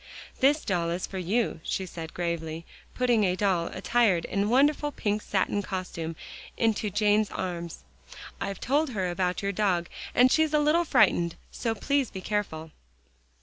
"This doll is for you," she said gravely, putting a doll attired in a wonderful pink satin costume into Jane's arms. "I've told her about your dog, and she's a little frightened, so please be careful."